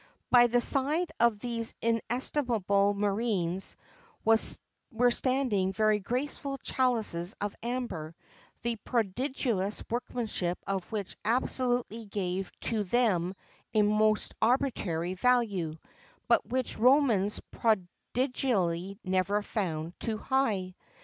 [XXVII 41] By the side of these inestimable Murrhines were standing very graceful chalices of amber, the prodigious workmanship of which absolutely gave to them a most arbitrary value,[XXVII 42] but which Roman prodigality never found too high.